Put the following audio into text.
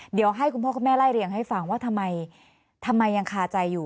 เดี๋ยวให้คุณพ่อคุณแม่ไล่เรียงให้ฟังว่าทำไมยังคาใจอยู่